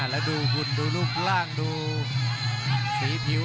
แล้วดูหุ่นดูรูปร่างดูสีผิว